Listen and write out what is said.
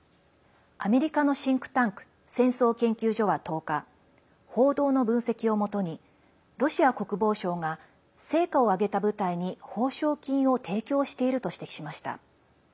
アメリカのシンクタンク戦争研究所は、１０日報道の分析をもとにロシア国防省が成果を上げた部隊に報奨金を提供していると指摘しました。